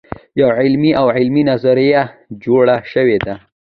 یوه علمي او عملي نظریه جوړه شوې ده.